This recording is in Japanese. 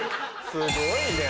すごいね。